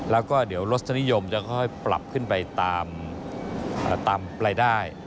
แล้วก็เดี๋ยวรสนิยมจะค่อยปรับขึ้นไปตามรายได้